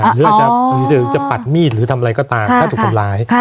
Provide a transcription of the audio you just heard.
หรือจะปัดมีดหรือทำอะไรก็ตามถ้าถูกทำร้าย